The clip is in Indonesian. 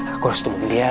aku harus temuin dia